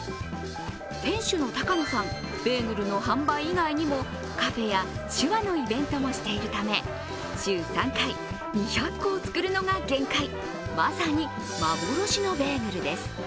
店主の高野さん、ベーグルの販売以外にもカフェや手話のイベントもしているため、週３回、２００個を作るのが限界、まさに幻のベーグルです。